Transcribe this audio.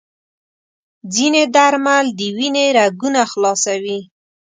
ځینې درمل د وینې رګونه خلاصوي.